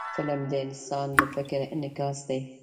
فلم د انسان د فکر انعکاس دی